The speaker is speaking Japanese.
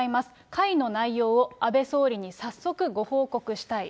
会の内容を安倍総理に早速ご報告したい。